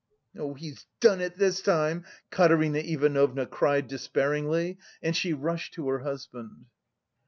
"He's done it this time!" Katerina Ivanovna cried despairingly and she rushed to her husband.